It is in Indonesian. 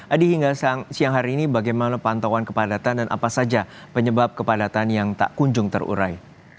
adi hingga siang hari ini bagaimana pantauan kepadatan dan apa saja penyebab kepadatan yang tak kunjung terurai